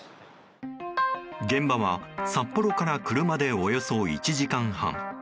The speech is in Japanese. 現場は札幌から車でおよそ１時間半。